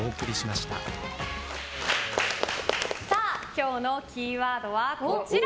今日のキーワードはこちら。